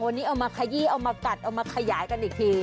วันนี้เอามาขยี้เอามากัดเอามาขยายกันอีกที